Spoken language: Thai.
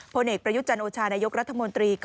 ผลเอกประยุจันโอชานายกรัฐมนตรี